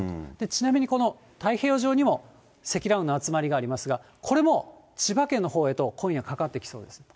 ちなみにこの太平洋上にも、積乱雲の集まりがありますが、これも千葉県のほうへと、今夜かかってきそうです。